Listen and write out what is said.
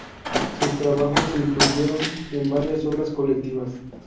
Sus trabajos se incluyeron en varias obras colectivas.